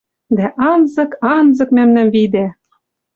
Дӓ анзык, анзык мӓмнӓм видӓ.